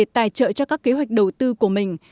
tài trợ cho các kế hoạch đầu tư của mình